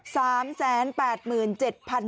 เท่าไหร่แล้ว